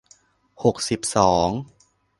หกสิบสอง